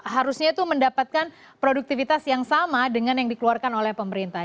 harusnya itu mendapatkan produktivitas yang sama dengan yang dikeluarkan oleh pemerintah